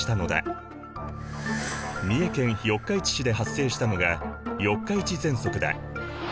三重県四日市市で発生したのが四日市ぜんそくだ。